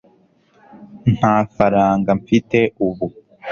nta faranga mfite ubu